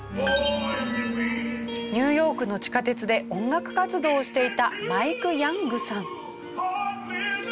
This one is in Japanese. ニューヨークの地下鉄で音楽活動をしていたマイク・ヤングさん。